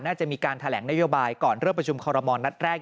น่าจะมีการแถลงนโยบายก่อนเริ่มประชุมคอรมณ์นัดแรก